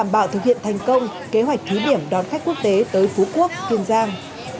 bộ thực hiện thành công kế hoạch thú điểm đón khách quốc tế tới phú quốc kiên giang